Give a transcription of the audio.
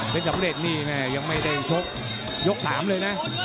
สำเร็จนี่แม่ยังไม่ได้ชกยก๓เลยนะ